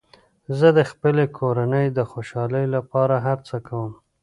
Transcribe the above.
زه د خپلې کورنۍ د خوشحالۍ لپاره هر څه کوم.